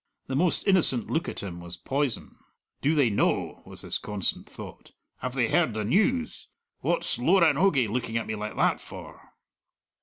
The most innocent look at him was poison. "Do they know?" was his constant thought; "have they heard the news? What's Loranogie looking at me like that for?"